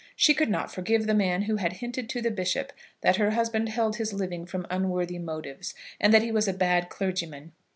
She could not forgive the man who had hinted to the bishop that her husband held his living from unworthy motives, and that he was a bad clergyman.